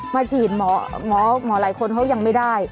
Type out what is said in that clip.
มาฉีดหมอหมอหลายคนเขายังไม่ได้